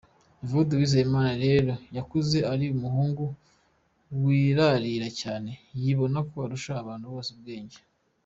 Evode Uwizeyimana rero yakuze ari umuhungu wirarira cyane, yibona ko arusha abantu bose ubwenge.